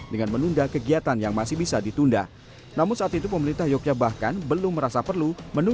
dan juga yang beritahu yang tidak beritahu